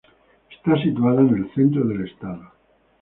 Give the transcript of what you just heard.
Está situada en el centro del estado.